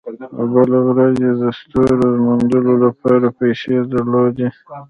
او بله ورځ یې د ستورو د موندلو لپاره پیسې درلودې